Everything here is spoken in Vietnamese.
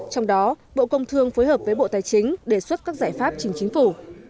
trong đó bộ công thương phối hợp với bộ tài chính đề xuất các giải pháp trình chính phủ